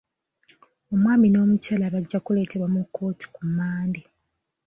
Omwami n'omukyala bajja kuleetebwa mu kkooti ku Mande.